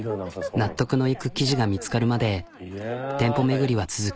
納得のいく生地が見つかるまで店舗巡りは続く。